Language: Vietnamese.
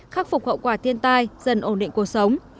khắc phục khẩu quả tiên tai dần ổn định cuộc sống